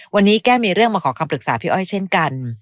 วันนี้แก้มีเรื่องมาขอคำปรึกษาพี่อ้อยเช่นกัน